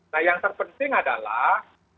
nah yang terpenting adalah